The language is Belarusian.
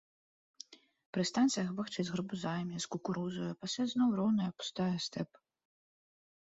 Пры станцыях бахчы з гарбузамі, з кукурузаю, а пасля зноў роўная, пустая стэп.